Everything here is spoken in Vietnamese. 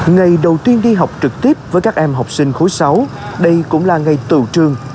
ngày đầu tiên đi học trực tiếp với các em học sinh khối sáu đây cũng là ngày tự trường